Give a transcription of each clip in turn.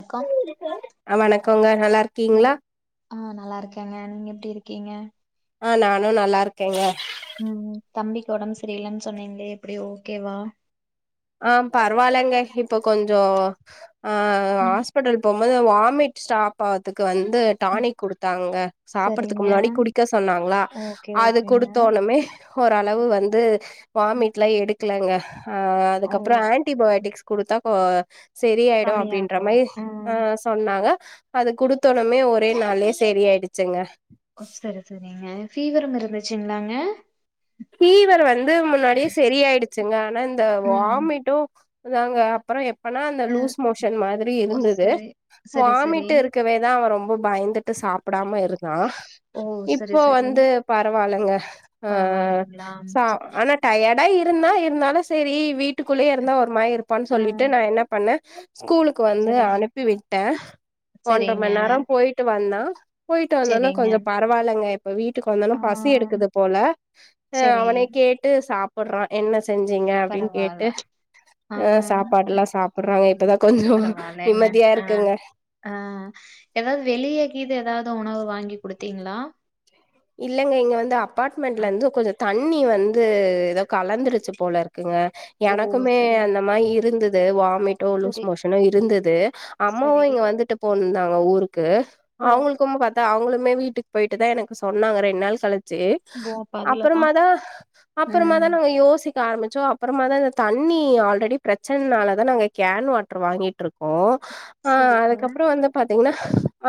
அக்கா ஆ வணக்கோங்க நல்லாருக் ஆ நல்லாருக்கேங்க நீங்க எப்டி இருக்கீங்க ஆ நானு நல்லாருக்கேங்க ம் தம்பிக்கு ஒடம்பு சரியிலன் சொன்னீங்ளே எப்டி ஓகேவா ஆ பரவாலங்க இப்போ கொஞ்சோ ஆ ம் ஆஸ் பிட்டல் போம்போது வாமிட் ஸ்டாப் ஆகதுக்கு வந்து ம் டானிக் குடுத்தாங்க சாப்படதுக்கு சரிங்க முன்னாடி குடிக்க சொன்னாங்லா ஓகே அது ஓகேங்க குடுத்தோனுமே ஹோரளவு வந்து ம். வாமிட்லா எடுக்கலங்க ஆ அது ஓ கப்றோ ஆன்டிபயோட்டிக்ஸ் குடுத்தா கோ சரியாயிடு அப்டின்ற கம்மியாகு மாரி ஆ ம் சொன்னாங்க அது குடுத்தோணுமே ஒரே நாள்லயே சரியாயிடுச்சிங்க ஓ சரி சரிங்க ஃபீவரும் இருந்துச்சிங்ளாங்க ஃபீவர் முன்னாடியே சரியாயிடுச்சிங்க ஆனா இந்த ம் வாமிட்டு தாங்க அப்பறோ எப்பனா அந்த அ லூஸ் மோஷன் மாதிரி ஓ இருந்தது சரி சரி சரி வாமிட்டு இருக்கவேதா அவ ரொம்ப பயந்துட்டு சாப்புடாம இருக்கா ஓ சரி இப்போ சரி வந்து பரவால்லங்க ஆ பரவாயில்லைங்களா சா சே ஆனா டயர்டா இருந்தா இருந்தாலு சேரி வீட் டுக்குள்ளயே இருந்தா ஒரு மாயிருப்பான் ஆ சொல்லிட்டு நா என்ன பண்ணே ஸ்கூலுக் கு வந்து சரி அனுப்பி விட்டே ஒன்ற சரிங்க மண் நேரோ போயிட்டு வந்தா போயிட்டு வந்தோனே சரிங்க கொஞ்சோ பரவாயில்லங்க இப்ப வீட்டுக்கு வந்தோன ஆ பசி எடுக்குது போல ஆ சரி அவனே கே கேட்டு சாப்புட்றா என்ன செஞ்சீங்க அப்டின் பரவால்ல கேட்டு அ ஆ சாப்பாடுலா சாப்புட்றாங்க இப்பதா கொஞ்சோ பரவாயில்லங்க. நிம்மதியா ஆ, இருக்குங்க ஆ ஏதாவது வெளிய கீது ஏதாவது உணவு வாங்கி குடுத்தீங்களா இல்லங்க இங்க வந்து அப்பார்ட்மெண்ட்லந்து கொஞ்சோ தண்ணி வந்து ஏதோ கலந்துருச்சி போல இருக்குங்க ஓ! எனக்குமே சரி, அந்த மா இருந்தது வாமிட்டு லூஸ் சரி, மோஷனு இருந்தது அம்மாவு சரி. இங்க வந்துட்டு போன்னாங்க ஊருக்கு அ அவுங்களுக்கும் பாத்தா அவங்களுமே வீட்டுக் போய்ட்டு தா எனக் சொன்னாங்க ரெண் நாள் கழுச்சு ஓ! அப்ப அதுல அப்புறமா தான். தா அப்புறமா ம். தா நாங்க யோசி க்க ஆரம்மிச்சோ அப்புறமா தா இந்த தண்ணி ஆல்ரெடி பிரச்சனால தா நாங்க கேன் வாட்டரு வாங்கிட்ருக்கோ ஆ சரிங்க. அதுக்கப்புற வந்து பாத்தீங்ன்னா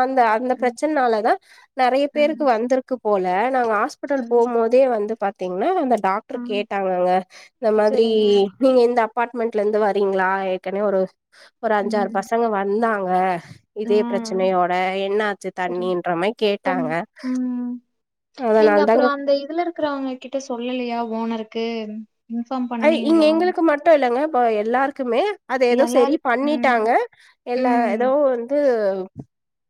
அந்த அந்த ம், பிரச்சன்னாலதா நெறைய பேரு ம், ந்திருக்கு போல நாங்க ஹாஸ்பிட்டல் போகு ம், போதே வந்து பாத்தீங்ன்னா அந்த டாக்டர் ம். கேட்டாங்கங்க இந்த மாதிரி சரிங்க. நீங்க இந்த அபார்ட்மெண்ட்ல இந்து வரீங்ளா ஏற்கனவே ஒரு ஒரு அஞ்சாற் ம், பசங்க வ ந்தாங்க இதே ம். பிரச்சனையோட என்னாச்சு சரி. தண்ணின்ற மய் இப்ப கேட்டாங்க ம். நீங்க அதனால அப்புற தாங்க அந்த இதுல இருக்கறவங்க கிட்ட சொல்லலியா ஓனருக்கு இன்ஃபார்ம் ஐ இங்க பண்ணீங்களா? எங்களுக்கு மட்டு இல்லங்க ப எல்லாருக்குமே அது எதோ சரி எல்லாரு ம், பண்ணிட்டாங்க ம். இல்ல எதோ ம். வந்து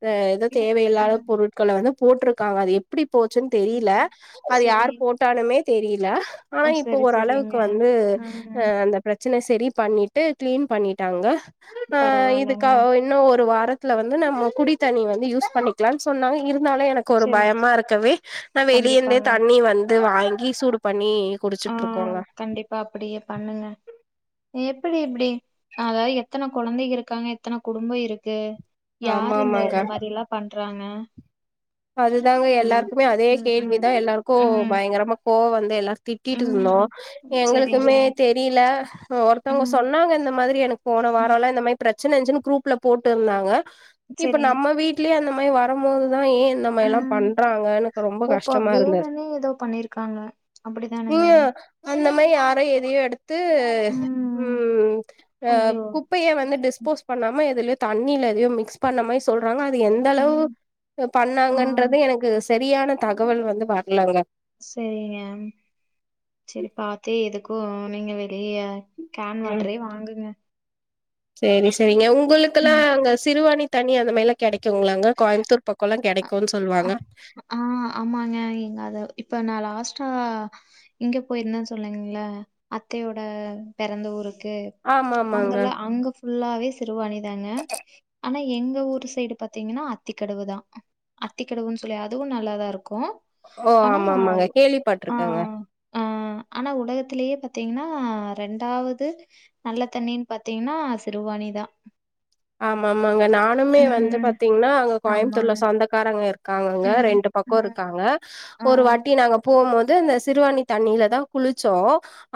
அ எதோ தேவையில்லாத பொருட்கள வந்து போட்டுருக்காங்க அது எப் படி போச்சுன் தெரியில அது சரி. யாரு போட்டாலுமே தெரியில ஓ ஆனா இப்போ சரி ஓரளவுக் சரிங்க. கு வந்து அ ம் அந்த பிரச்சன செரி பண்ணிட்டு கிளீன் பண்ணிட்டாங்க ஆ பரவால்லங்க. இதுக்கா இன்னு ஒரு வாரத் துல வந்து நம்ம குடித்தண்ணி வந்து யூஸ் பண்ணிக்கலா சொன்னாங்க இரு னால எனக்கு ஒரு சரி பயமா இருக்கவே நா வெளியே இந்தே கண்டிப்பாங்க. தண்ணி வந்து வாங்கி சூடு பண்ணி குடிச்சிட்ருக்கோங்க அப்ப அப்படியே பண்ணுங்க எப்படி இப்டி அதாவது எத்தன கொழந்தைங்க இருக்காங்க எத்தன குடும்போ இருக்கு ஆமா யாரு இந்த ஆமாங்க இந்த மாரில்லா பண்றாங்க அதுதாங்க ம். எல்லாருக்குமே அதே ம், ம், கேள்விதா எல்லாருக்கு ம், பயங்கரமா கோவ வந்து எல்லா திட்டிட்டு இந்தோ ம். சரிங்க. எங்களுக்குமே தெ ரில்ல ஒருத்தவங்க ம், சொன்னாங்க இந்த மாதிரி எனக் போன வார ம். எல்லா இந்த மார் பிர ச்சன இருஞ்ச்சுன் குரூப்புல போட்டுந்தாங்க இப்ப சரி. நம்ம வீட்லயே அந்த மாரி வர மோதுதா ஏ இந்த மாய் எல்லா ம். பண்றாங்க எனக்கு ரொம்ப ஓ! இப்ப கஷ்டமா இருந்த வேணுன்னே ஏதோ பண்ணியிருக்காங்க. அப்படிதானங்க? நீங்க அந்த மாய்ய யாறையு எதையு எடுத்து ம் அ ஐயோ! குப் ப்பைய வந்து டிஸ்போஸ் பண்ணாம எதுலேயோ தண்ணியிலையோ மிக்ஸ் பண்ண மாய் சொல்றாங்க அது எந்த அளவு ம். ஆ. பண்ணாங்கன்றது எனக்கு சரியான தகவல் வந்து வர்லங்க சரிங்க சரி பாத்து இதுக்கு நீங்க வெளிய கேன் வாட்ரே வாங்குங்க செரி செரிங்க உங்களுக்கெல்லா ம் அங்க சிறுவாணி தண்ணி அந்த மாய்லா கெடைக்குங்களாங்க கோய்ம்த்தூர் பக்கல்லா கெடை க்குன் ஆ சொல்வாங்க ஆ ஆமாங்க எங்க அது இப்ப நா லாஸ்டா எங்க போயிருந்தன் சொல்லுங்ள அத்தையோட பெறந்த ஊருக்கு ஆமா ஆமாங்க அங்கலா அங்க ஃபுல்லாவே சிறுவானிதாங்க ஆனா எங்க ஊரு சைடு பாத்தீங்கன்னா அத்திக்கடவுதா அத்திக்கடவுன் சொல்லி அதுவு நல்லாதா இருக்கு ஓ ஆனா ஆமா ஆமாங்க ஆ கேள்விப்பட்ருக்கேங்க ஆ ஆனா உலகத்திலேயே பாத்தீங்கன்னா ரெண்டாவது நல்ல தண்ணின் பாத்தீங்ன்னா சிறுவாணி தா ஆமா ஆமாங்க நானுமே வந்து ம் பாத்தீங்கன்னா அங்க கோயம்த்தூர்ல ஆமாங்க சொந்தக்காரங்க இருக் காங்க ம் ரெண்டு பக்கோ ம் இருக்காங்க ஒரு ஆ வாட்டி நாங்க போம்மோது அந்த சிறுவாணி தண்ணிலதா குளிச்சோ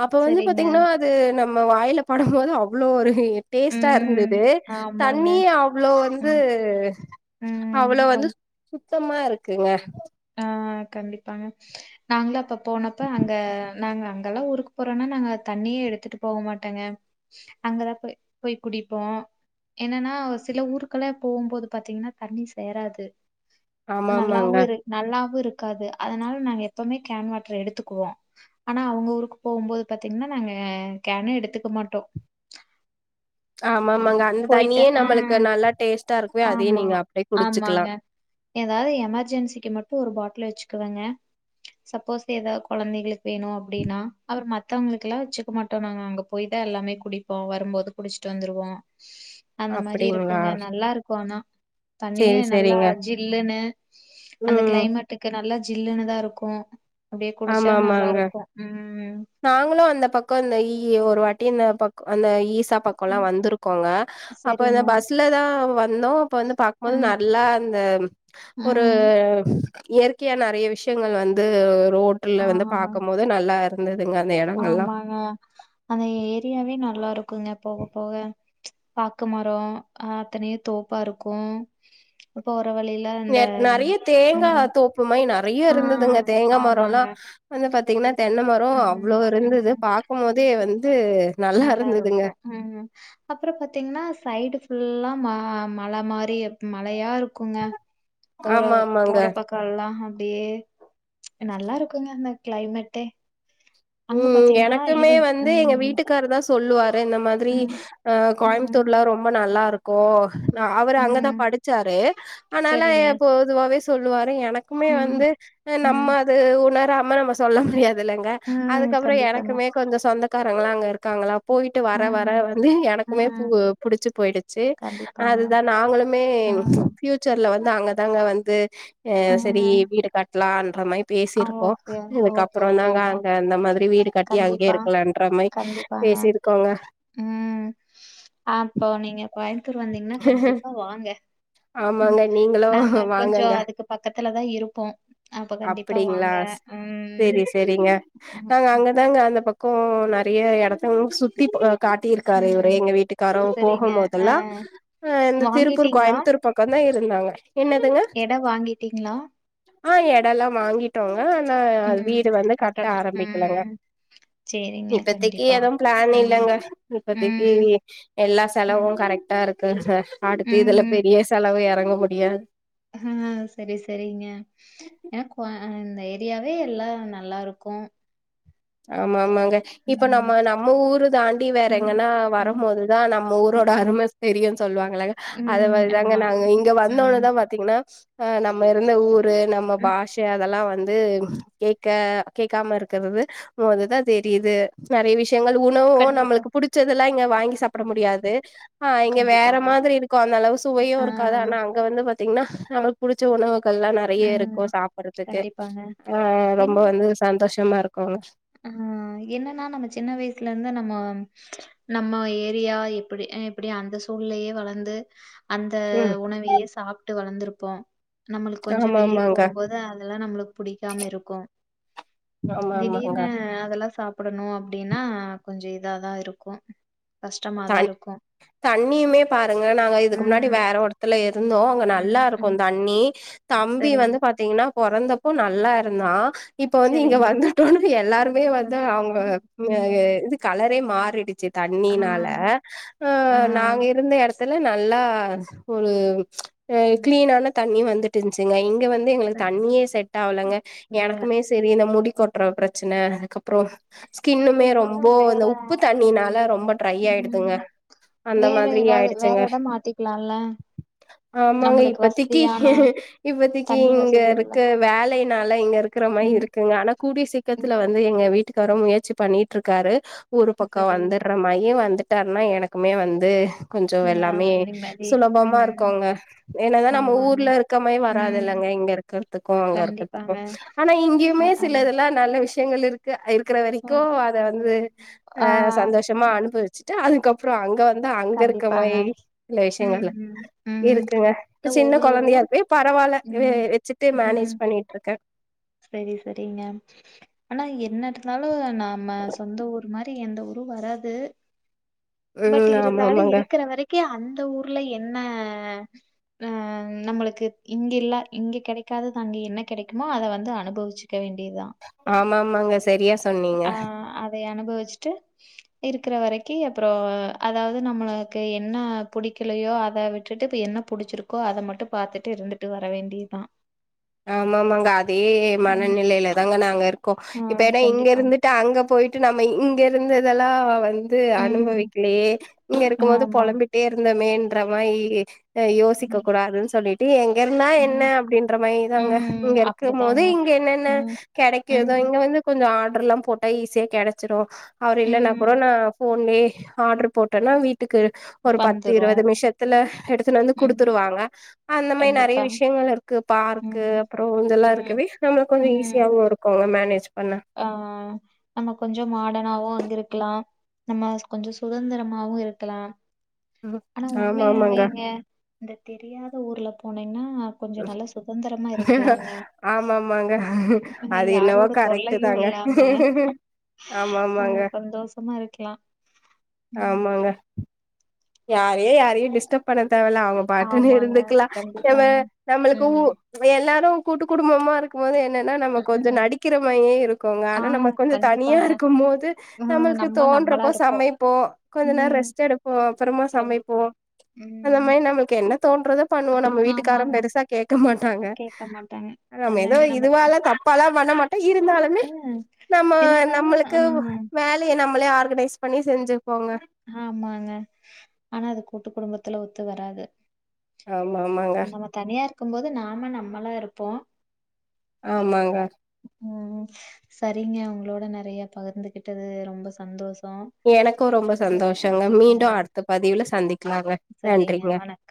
அப்ப வந்து சரிங்க. பாத்தீங்ன்னா து நம்ம வாயிலபடு போது அவ்ளோ ஒரு டேஸ்ட்டா ம். இருந்தது ஆமாங்க. தண்ணி அவ்ளோ வந்து ம். அவ்ளோ ம். வந்து ரொம் சுத்தமா இருக்குங்க ஆ கண்டிப்பாங்க நாங்களு அப்ப போனப்ப அங்க நாங்க அங்கெல்லா ஊருக்கு போறனா நாங்க தண்ணியே எடுத்துட்டு போகமாட்டங்க அங்கதா போய் போய் குடிப்போ என்னன்னா சில ஊருக்கல்ல போம்போது பாத்தீங்கன்னா தண்ணி சேராது ஆமா ஆமாங்க நல்லாவு இரு நல்லாவு இருக்காது அதனால நாங்க எப்பவுமே கேன் வாட்டர் எடுத்துக்குவோ ஆனா அவுங்க ஊருக்கு போம்போது பாத்தீங்கன்னா நாங்க கேனே எடுத்துக்கமாட்டோ ஆமா ஆமாங்க அந்த போயிட்டு தண்ணியே ஆ நம்மளுக்கு நல்லா டேஸ்ட்டா இருக்கவே அதியே நீங்க அப்டியே குடிச்சிக்கலா எதாது எமர்ஜென்சிக்கு மட்டு ஒரு பாட்டில் வச்சுக்குவங்க சப்போஸ் எதா கொழந்தைகளுக் வேணு அப்டின்னா அவர் மத் த்தவங்களுக்கெல்லா வச்சிக்கமாட்டோ நாங்க அங்க போய் தா எல்லாமே குடிப்போ வரும்போது குடிசிட்டு வந்துருவோ அந்த மாரி அப்டிங்களா இருக்குங்க நல்லாருக்கோ ஆனா சேரி தண்ணியே நல்லா சேரிங்க ஜில்லுன்னு அந்த ம் கிளைமெட் ட்டுக்கு நல்லா ஜில்லுன்னுதாருக்கு அப்டியே குடிச்சா நல்லா ஆமாமாங்க இருக்கு ம் நாங்களு அந்த பக்கோ இந்த ஈ ஒரு வாட்டி இந்த பக்கோ அந்த ஈசா பக்கோல்லா வந்துருக்கோங்க அப்ப இந்த சரிங்க பஸ்லதா வந்தோ அப்ப வந்து பாக்கும்போது ம் நல்லா அந்த ஒரு ம் இயற்கையா நெறைய விஷ்யங்கள் வந்து ரோட்டுல ஆ வந்து பாக்கும்போது நல்லா இரு ந்ததுங்க அந்த எடங்கல்லா அ அந்த ஏரியாவே நல்லாருக்குங்க போக போக பாக்கு மரோ அ அத்தனயோ தோப்பாருக்கோ அப்ப வர வழில் நேத் நெறைய தேங்கா தோப்புமாய் நெறைய ஆ இருந்ததுங்க தேங்கா மரோல்லா ஆமாங்க. வந்து பாத்தீங்ன்னா தென்னமரோ ம், அவ்ளோ இருந்தது பாக்கு போதே வந்து நல்லா இருந்ததுங்க நல்லாருக்கோ ம் அப்பற பாத்தீங்ன்னா சைடு ஃபுல்லா ம மல மாரி மலயா இரு க்குங்க போற ஆமா ஆமாங்க போற பக்கோல்லா அப்டியே நல்லா இருக்குங்க அந்த கிளைமெட்டே ம் எனக்குமே வந்து எங்க ம், வீட்டுக்காருதா சொ சொல்லுவாரு இந்த மாதிரி ம், அ ம், கோயமுத்தூர்லா ரொம்ப நல்லாருக்கோ நா அவரு அங்கதா ம். படிச்சாரு ஆனால சரிங்க. பொதுவாவே சொல்லுவாரு எனக்குமே ம், வந்து அ ம், நம்ம அது உணராம நம்ம சொல்ல முடியாதுல்லங்க ம். கண்டிப்பாங்க. ஏ கொஞ்சோ சொந்தக்காரங்கல்லா அங்க இருக்காங்கல்லா போயிட்டு வர வர ம், வந்து எனக்குமே ம். புவ் புடிச்சி போயிடுச்சி கண்டிப்பாங்க. அதுதா நாங்களுமே ம், ஃபியூ ச்சர்ல வந்து அங்கதாங்க வந்து அ சரி ம். அ வீட கட்டலான்ற மாய் ஆ பேசியிருக்கோ ஓகே, ஓகே, இதுக்கப்றோ தாங்க ஓகேங்க. அங் க அந்த மாதிரி வீடு கட்டி அங்கே கண்டிப்பா, இருக்கலான்ற மாரி கண்டிப்பாங்க. பேசிருக்கோங்க ம் அப்போ நீங்க கோயம்த்தூர் வந்தீங்ன்னா கண்டிப்பா வாங்க ம் ஆமாங்க நீங்களு நாங்க கொஞ்சோ வாங்கங்க அதுக்கு பக்கத்துலதா இருப்போ அப்ப கண்டிப் ப்பிடிங்ளா சேரி சேரிங்க ம். நாங்க அங்கதாங்க அந்த பக்கோ நெறைய எடத்தங்க சுத்தி ப காட்டியிருக்காரு இவரு ம். எங்க வீட்டுக்காரோ போகும் போதெல்லா வாங்கிட்டீங்ளா திரு பக்கோ தா இருந்தாங்க என்னதுங்க இடம் வாங்கிட்டீங்களா? அ எடோல்லா வாங்கி ட்டோங்க ஆனா ம். வீடு வந்து கட்ட கட்டணும். ஆரம்பிக்லங்க ம். சரிங்க. இப்பத்திக்கி கண்டிப்பா. எதும் பிளான் ம். இல்லங்க இப்பத்திக்கி ம். எல்லா செலவோ ம். கரெக்டா இரு க்குங்க அடுத்து இதுல ம். பெரிய செலவு எறங்க முடியா அ செரி செரிங்க ஏனா கோ இந்த ஏரியாவே எல்லா நல்லாருக்கோ ஆமா ஆமாங்க இப்ப ம். நம்ம நம்ம ஊரு தாண்டி வேற ம். எங்கன்னா ம். வரோம் போதுதா நம்ம ஊரோட ம். அரும தெரியோ சொல்லுவாங்கலங்க அத ம். மாரிதாங்க ஆமா. நாங்க இங்க ம் வந்தோன்னே தா பா த்தீங்ன்னா அ நம்ம இருந்த ஊரு நம்ம ம் பாஷ அதெல்லா வந்து கேக்க கேக்காம இருக்கறது போதுதா தெரியுது நெறைய விஷ யங்கள் உணவோ கண்டிப்பா நம்மளுக்கு புடிச்சதெல்லா இங்க வாங்கி சாப்ட ம் முடியாது அ இங்க வேற கண்டிப்பாங்க. மாதிரி இருக்கோ அந்த அளவு சுவையோ ஆ இருக்காது ஆனா அங்க வந்து பாத்தீங்ன்னா நம் புடிச்ச உணவுகள்லா நெறைய இருக்கோ ம் சாப்றத்துக்கு கண்டிப்பாங்க. அ என் ரொம்ப வந்து சந்தோஷமா இருக் கோ ஆ என்னனா நம்ம சின்ன வயசுல இருந்து நம்ம நம்ம ஏரியா எப்டி எப்டி அந்த சூழ்லயே வளந்து அந்த ம் உணவையே சாப்ட்டு வளந்திருப்போ நம்ளுக்கு கொஞ்ச ஆமா வெளிய ஆமாங்க போம் போது அதெல்லா நம்ளுக்கு பிடிக்காம இருக்கு ஆமா திடீர் ஆமாங்க அதெல்லா சாப்டணு அப்டின்னா கொஞ்ச இதாதா இருக்கு அதா தனி இர்க்கு தண்ணியுமே பாருங்க நாங்க இதுக்கு முன்னாடி ம், வேற ஒருடத்துல இருந்தோ அங்க நல்லா ம், இருக்கு ம். தண் ணி தம்பி சரிங்க, வந்து பாத்தீங்கன்னா பொறந்தப்போ நல்லா இருந்தா இப்ப வந்து இங்க சரிங்க. வந்துட்டே எல்லாருமே வந்து அவங்க ம், ம். இது கலரே மாறிடுச்சு தண்ணினால ஆ. அ ஆ நாங்க இருந்த இடத் நல்லா ஒரு கிளீனான தண்ணி வந்துட்டு இருந்துச்சுங்க இங்க வந்து எங்களுக்கு தண்ணியே செட் ஆவுலங்க இல்ல எனக்குமே செரி இந்த முடி கொட்டுற பெரச்சன அதுக்கப்றோ நீங்க ஸ்கின்னுமே பேசாம ரொம்போ வேற இந்த உப்பு தண்ணி நாலே ரொம்ப ட்ரை ஆயிடு துங்க ம் அந்த வேற மாதிரி ஏதாவது வேற ஆயிடுச்சுங்க எடம் மாத்திக்கலால்ல ஆமாங்க நம்மளுக்கு இப்பத்தக்கு வசதியான இப்பத்தக்கு தண்ணி இங்க வசதி உள்ள இருக்க வேலைனால இங்க இரு க்கிற மாரி ம் இருக்குங்க ஆனா கூடிய சிக் ம் கத்துல வந்து எங்க வீட்டுக்கார் முயற்சி பண்ணிட்டு இருக்காரு ஊர் பக்கம் சரி வந்துடுற மாரி வந்து ட்டாருனா எனக்குமே வந்து கொஞ்ச ஆ எல்லாமே நிம்மதி சுலபமா ம் இருக்கோங்க ஏனதா நம்ம ஆமாங்க ஊர்ல இருக்கமா வராது ம் இல்லங்க இங்க இரு இருக்கிறதுக்கு அங்க இருக்கிறதுக்கு கண்டிப்பாங்க ஆனா ஆ இங்கயுமே ஆ சிலதெல்லா நல்ல விஷ் யங்கள் இருக்கு இருக்கிற ஆ வரைக்கு அத வந்து ஆ, அ சந்தோஷமா அனுபவிச்சிட்டு அதுக்க ப்றோ அங்க வந்து அங்க இருக்க கண்டிப்பாங்க மாரி இல்ல ம் விஷயங்கள்ல ம் ம் இருக்குங்க இப்ப இல்ல சின்ன ஒவ்வொரு குழந்தையா ஊரு போய் பரவாயில்ல ம் வெச்சுட்டு மேனேஜ் பண்ணிட்டுருக்க செரி சேரிங்க ஆனா என்ன இருந்தாலு நாம சொந்த ஊர் மாரி எந்த ஊரு வராது பட் ம் ஆமா இருந்தாலு ஆமாங்க இருக்கிற வரைக் கே அந்த ஊர்ல என்ன ஆ நம்மளுக்கு இங்க இல்ல இங்க கிடைக்காத த அங்க என்ன கிடைக்குமோ அத வ ந்து அனுபவிச்சக்க வேண்டியதுதா ஆமா ஆமாங்க செரியா சொன்னீங்க போய் அனுபவச்சிட்டு இருக்கிற வரைக்கு அப்பறோ அதாவது நம்மளுக்கு என்ன புடிக்கலையோ அத விட்டுட்டு என்னப் புடிச்சிருக்கோ அத மட்டு பாத்துட்டு இருந்துட்டு வர வேண்டியதா ஆமாமாங்க அதே ம் மனநிலையில தாங்க நாங்க இருக்கோ ஆ இப்ப ஏன்னா இங்க கண்டிப்பா. இருந்துட் டு அங்க போயிட்டு நம்ம இங்க இருந்ததெல்லா வந் து ம் அனுபவிக்கலையே இங்க இருக்கு போது ஆமா. பொளம்பிட்டே இருந்தோமேன்ற மாரி யோசிக்க ம் கூடாதுன் சொல்லிட்டு எங்க இருந்தா என்ன அப்டின்ற மாரி தாங்க இங்க ம் இருக்கு மோது அப்படிதாங்க. இங்க என்னென்ன ம் கெடைக்குதோ ம் இங்க வந்து கொஞ்சோ ஆர்டர்ல்லா போட்டா ஈஸியா கெடச்சிடு அவர் இல்லன்னா கூட ம் நா போன்லே ஆர்டர் போட்டனா வீ ட்டுக்கு ஒரு பத்து வந்துரு. இருவது நிமிஷத்துல எடுத்துன் வந்து ம் குடுத்துருவாங்க அந்த மாரி நெறைய கண்டிப்பா. விஷயங்கள் இருக்கு பார்க்கு ம் அப்பறோ இதெல்லா ம் இருக்கவே நம்மக் கொஞ்சோ ம் ஈஸியவு இருக் கோங்க மேனேஜ் பண்ண ஆ நம்ம கொஞ்சோ மாடனாவோ அங்கிருக்கலா நம்ம கொஞ்சோ சுதந்திரமாவு இருக்கலா ம் ஆனா ஆமா உண்மையாவே ஆமாங்க எங்க இந்த தெரியாத ஊர்ல போனீன்னா கொஞ்சோ நல்லா சுதந்திரமா இருக்கலாங்க ஆமா ஆமாங்க அது என்னவோ யாரோட கரெக்ட் தொல்லையு தாங்க இல்லாம ஆமா ஆ ஆமாங்க சந்தோஷமா இருக்லா ஆமாங்க யாரையு யாரையும் டிஸ்டர்ப் பண்ண தேவல அவங்க பாட்டுன்னு ஆமாங்க இருந்துக்கலாம நம்ம கண்டிப்பாங்க நம்மளுக்கு ஊ ம் இவ என்நேரோ கூட்டு குடும்பமா இருக் குமோது என்னன்னா நம்ம கொஞ்சோ ம்க்ம் நடிக்கிற மாறியே இருக்குங்க ஆ ஆனா நம்ம கொஞ்சோ கண்டிப்பாங்க தனியாருக்கும் போது ம் நம்மளுக்கு நம்ம நம்மளா தோன்றப்போ இருப்போ சமைப்போ கொஞ்சோ நேரோ ம் ரெஸ்ட் எடுப்போ அப்பறமா சமைப்போ கண்டிப்பா அந்த ம் மாரி நம்மளுக்கு என்ன தோன்றதோ பண்ணுவோ நம்ம வீட்டுக்காரும் ஆமாங்க பெருசா கேக்க மாட்டாங்க கேக்க மாட்டாங்க நம்ம எதோ அதாங்க இதுவால தப் பாளா பண்ண மாட்டோ இருந்தாலுமே ம் நம்ம இருந்தாலும் நம்மளுக்கு ம், வே லய நம்மளே ஆர்கனைஸ் பண்ணி செஞ்சுப்போங்க ஆமாங்க ஆனா அது கூட்டு குடும்பத்துல ஒத்து வராது ஆமா ஆமாங்க தனியாருக்கும் போது நாம நம்மளா இருப்போ ஆமாங்க ம் சரிங்க உங்களோட நெறைய பகிர்ந்துகிட்டது ரொம்ப சந்தோஷோ எனக்கு ரொம்ப சந்தோஷங்க மீண்டு அடுத்த பதிவுல சந்திக்கலாங்க சரிங்க. நன்றிங்க வணக்